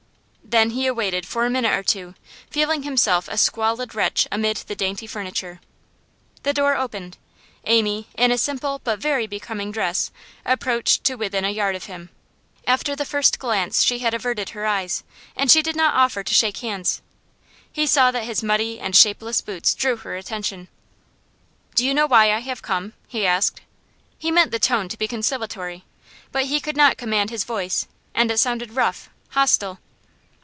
Then he waited for a minute or two, feeling himself a squalid wretch amid the dainty furniture. The door opened. Amy, in a simple but very becoming dress, approached to within a yard of him; after the first glance she had averted her eyes, and she did not offer to shake hands. He saw that his muddy and shapeless boots drew her attention. 'Do you know why I have come?' he asked. He meant the tone to be conciliatory, but he could not command his voice, and it sounded rough, hostile.